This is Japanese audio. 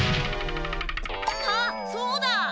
あっそうだ！